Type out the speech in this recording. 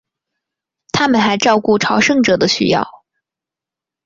他们还照顾朝圣者的需要。